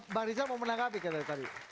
mbak riza mau menangkapi keadaan tadi